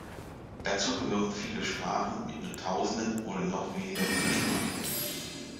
Dazu gehören viele Sprachen mit nur Tausenden oder noch weniger Muttersprachlern.